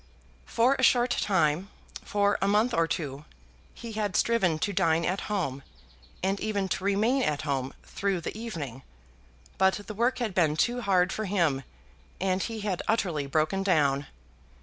For a short time, for a month or two, he had striven to dine at home and even to remain at home through the evening; but the work had been too hard for him and he had utterly broken down.